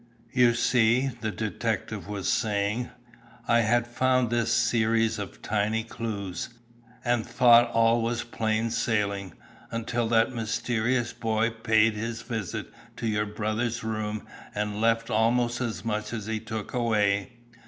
"You see," the detective was saying, "I had found this series of tiny clues, and thought all was plain sailing, until that mysterious boy paid his visit to your brother's room and left almost as much as he took away.